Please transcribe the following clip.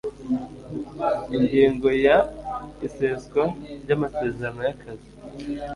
ingingo ya iseswa ry amasezerano y akazi